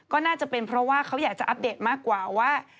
ก็น่าจะเป็นเพราะว่าเขาอยากจะอัปเดตมากกว่าว่า